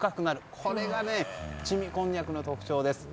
これが凍みこんにゃくの特徴です。